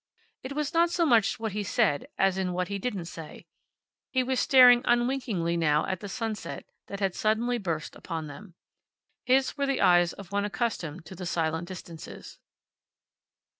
It was not so much what he said as in what he didn't say. He was staring unwinkingly now at the sunset that had suddenly burst upon them. His were the eyes of one accustomed to the silent distances.